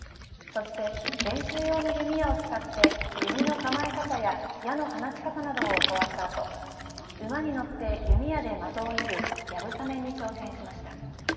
そして練習用の弓矢を使って弓の構え方や矢の放ち方などを教わったあと馬に乗って弓矢で的を射るやぶさめに挑戦しました。